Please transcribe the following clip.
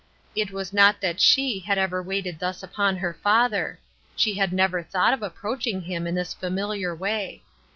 It was not that she had ever waited thus upon her father ; she had never thought of approaching him in this familiar way.